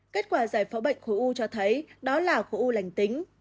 kết quả giải phẫu bệnh khổ u cho thấy đó là khổ u lành tính